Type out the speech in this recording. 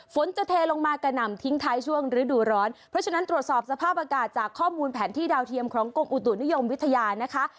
ฝนจะเทลงมากระหน่ำทิ้งท้ายช่วงฤดูร้อนเพราะฉะนั้นตรวจสอบสภาพอากาศจากข้อมูลแผนที่ดาวเทียมของกรมอุตุนิยมวิทยานะคะ